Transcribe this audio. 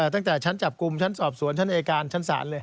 ตั้งแต่ชั้นจับกลุ่มชั้นสอบสวนชั้นอายการชั้นศาลเลย